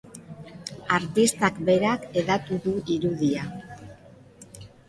Artistak berak hedatu du irudia.